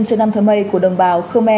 trên năm thơ mây của đồng bào khơ me